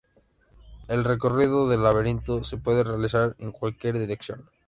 El recorrido del laberinto se puede realizar en cualquier dirección.